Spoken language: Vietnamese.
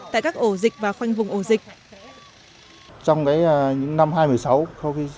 tại các ổ dịch và khoanh vùng ổ dịch